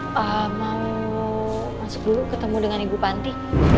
pak mau masuk dulu ketemu dengan ibu panti